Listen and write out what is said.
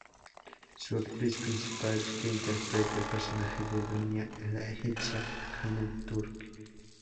Su actriz principal, que interpreta el personaje de Dunia, es la egipcia Hanan Turk.